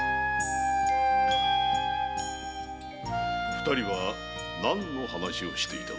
二人は何の話をしていたのだ？